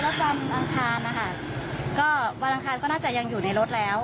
แล้วก็ส่วนวันพุธตอนเช้าหนึ่งมาเจอตอนไปถึงที่ทำงานแล้วค่ะ